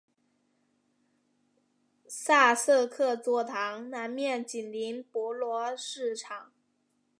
萨瑟克座堂南面紧邻博罗市场。